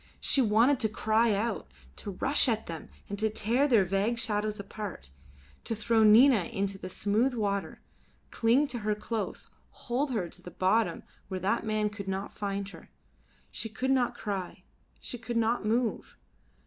She wanted to cry out; to rush at them and tear their vague shadows apart; to throw Nina into the smooth water, cling to her close, hold her to the bottom where that man could not find her. She could not cry, she could not move.